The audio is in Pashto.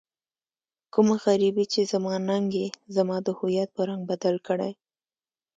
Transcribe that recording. کومه غريبي چې زما ننګ يې زما د هويت په رنګ بدل کړی.